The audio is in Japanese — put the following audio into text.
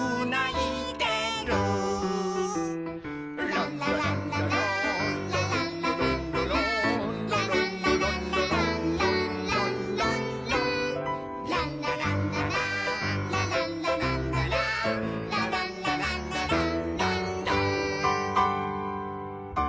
「ランラランラランラランラランラランラ」「ランラランラランランランランラン」「ランラランラランラランラランラランラ」「ランラランラランランラン」